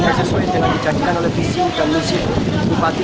yang sesuai dengan dijadikan oleh bisnis dan musim bupati